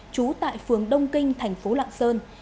trú tại phường đông kinh thành phố lạng sơn